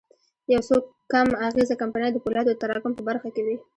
يو څو کم اغېزه کمپنۍ د پولادو د تراکم په برخه کې وې.